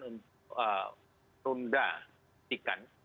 untuk menunda pimpinan